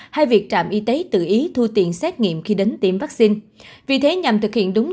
hay việc trạm y tế tự ý thu tiền xét nghiệm khi đến tiêm vaccine vì thế nhằm thực hiện đúng